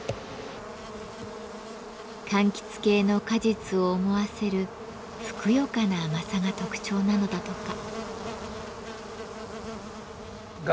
かんきつ系の果実を思わせるふくよかな甘さが特徴なのだとか。